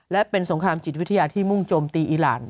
และเป็นสงครามจิตวิทยาที่มุ่งโจมตีอีหลาน